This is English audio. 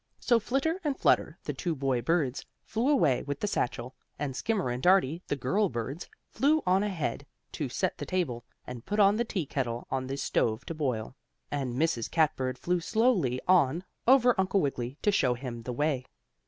So Flitter and Flutter, the two boy birds, flew away with the satchel, and Skimmer and Dartie, the girl birds, flew on ahead to set the table, and put on the teakettle on the stove to boil, and Mrs. Cat Bird flew slowly on over Uncle Wiggily, to show him the way.